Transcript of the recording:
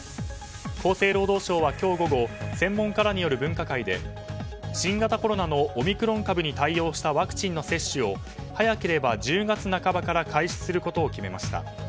厚生労働省は今日午後専門家らによる分科会で新型コロナのオミクロン株に対応したワクチンの接種を早ければ１０月半ばから開始することを決めました。